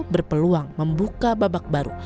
berpeluang membuka babak baru